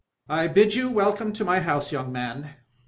I bid you welcome to my house, young man.